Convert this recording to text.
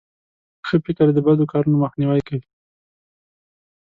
ښه فکر د بدو کارونو مخنیوی کوي.